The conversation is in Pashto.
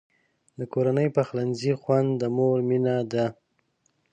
د کورني پخلنځي خوند د مور مینه ده.